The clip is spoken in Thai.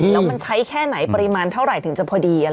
แล้วมันใช้แค่ไหนปริมาณเท่าไหร่ถึงจะพอดี